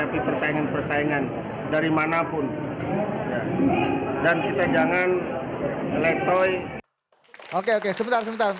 persaingan persaingan dari manapun dan kita jangan meletoy oke oke sebentar sebentar